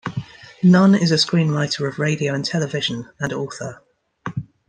Nunn is a screenwriter of radio and television and author.